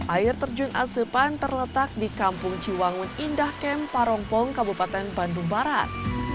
air terjun asepan terletak di kampung ciwangun indah kem parongpong kabupaten bandung barat